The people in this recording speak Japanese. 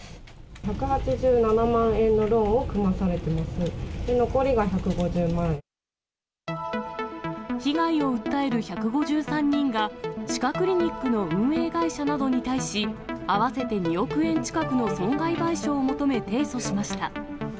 １８７万円のローンを組まさ被害を訴える１５３人が、歯科クリニックの運営会社などに対し、合わせて２億円近くの損害賠償を求め、提訴しました。